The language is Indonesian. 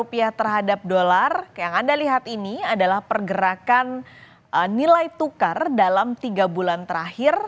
rupiah terhadap dolar yang anda lihat ini adalah pergerakan nilai tukar dalam tiga bulan terakhir